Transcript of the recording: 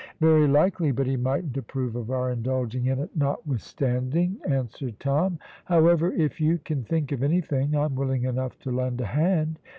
"Very likely, but he mightn't approve of our indulging in it notwithstanding," answered Tom; "however, if you can think of anything, I'm willing enough to lend a hand.